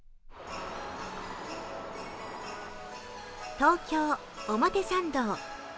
東京・表参道。